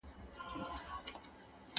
کرۍ شپه د خُم له څنګه سر پر سر یې نوشومه